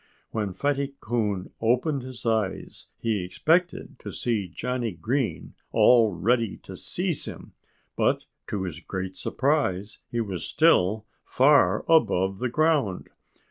When Fatty Coon opened his eyes he expected to see Johnnie Green all ready to seize him. But to his great surprise he was still far above the ground.